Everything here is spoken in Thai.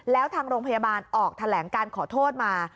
แล้วทางโรงพยาบาลออกแถลงการขอโทษมา